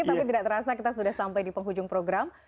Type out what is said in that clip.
tapi tidak terasa kita sudah sampai di penghujung program